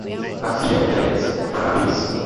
A filha e a herança, para a velhice.